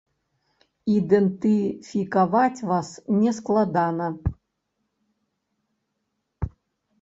Ідэнтыфікаваць вас не складана.